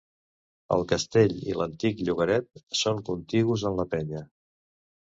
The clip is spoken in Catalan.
El castell i l'antic llogaret són contigus en la penya.